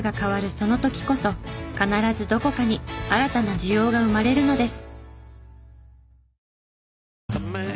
その時こそ必ずどこかに新たな需要が生まれるのです。